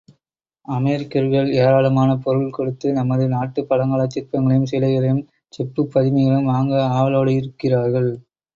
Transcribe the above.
அமெரிக்கர்கள் ஏராளமான பொருள் கொடுத்து நமது நாட்டுப் பழங்காலச் சிற்பங்களையும் சிலைகளையும் செப்புப் பதுமைகளையும் வாங்க ஆவலோடிருக்கிறார்கள்.